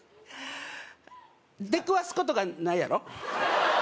出くわすことがないやろ？